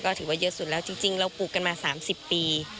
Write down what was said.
ก็ถือว่าเยอะสุดแล้วจริงเราปลูกกันมา๓๐ปี